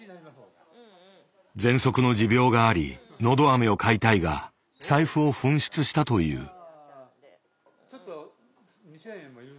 ぜんそくの持病がありのどあめを買いたいが財布を紛失したという。